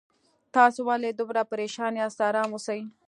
تاسو ولې دومره پریشان یاست آرام اوسئ